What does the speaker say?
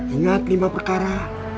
ingat lima perkara